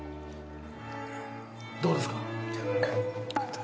どうですか？